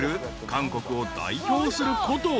韓国を代表する古都］